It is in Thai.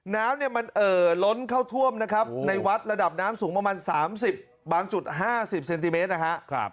น้ำเอ่อล้นเข้าท่วมในวัดระดับน้ำสูงประมาณ๓๐บางจุด๕๐เซนติเมตร